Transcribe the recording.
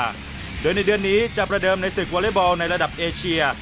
เดือนในเดือนนี้จะประเดิมในศึกวอร์เรียบรองในระดับเอเชีย